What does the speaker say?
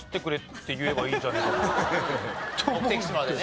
目的地までね。